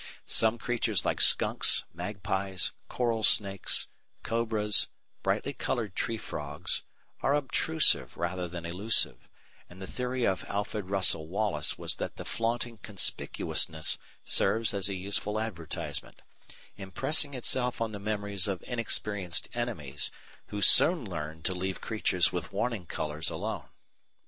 Some creatures like skunks, magpies, coral snakes, cobras, brightly coloured tree frogs are obtrusive rather than elusive, and the theory of Alfred Russel Wallace was that the flaunting conspicuousness serves as a useful advertisement, impressing itself on the memories of inexperienced enemies, who soon learn to leave creatures with "warning colours" alone.